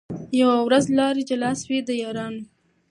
یوه ورځ لاري جلا سوې د یارانو